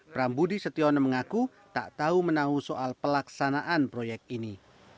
prambudi setiono mengaku tak tahu menahu soal pelaksanaan proyek ini